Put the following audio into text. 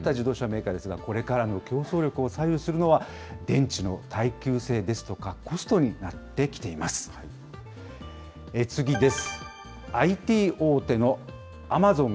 かつて、エンジンなどの性能を競い合った自動車メーカーですが、これからの競争力を左右するのは、電池の耐久性ですとか、コストになってきています。